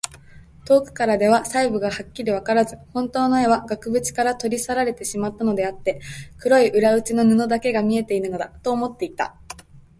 遠くからでは細部がはっきりわからず、ほんとうの絵は額ぶちから取り去られてしまったのであって、黒い裏打ちの布だけが見えているのだ、と思っていた。